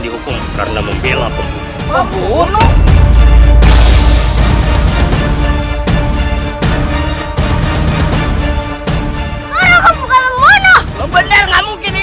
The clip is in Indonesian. semua yang ada di sini